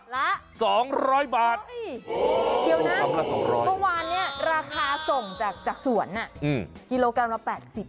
พอวานนะราคาส่งจากสวนกิโลกรัมละ๘๐